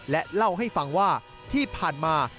และเล่าให้ฟังว่าที่ผ่านมา